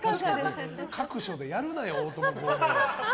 各所でやるなよ、大友康平を。